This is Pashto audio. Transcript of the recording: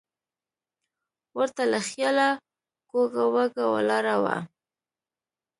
ور ته له خیاله کوږه وږه ولاړه وه.